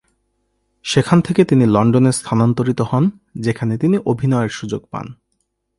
সেখান থেকে তিনি লন্ডনে স্থানান্তরিত হন, যেখানে তিনি অভিনয়ের সুযোগ পান।